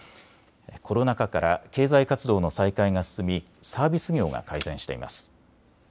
コロナ禍から経済活動の再開が進みサービス業が改善しています。